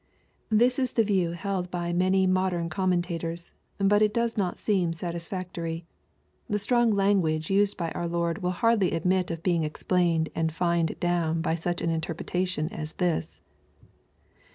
This is the view held by many modem commen tators, but it does not seem satisfactory. The strong language used by our Lord will hardly admit of being explained and fined down by such an interpretation as this.